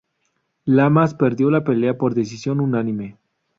Lamas perdió la pelea por decisión unánime.